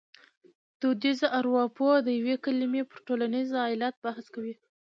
دودیزه ارپوهه د یوې کلمې پر ټولنیز علت بحث کوي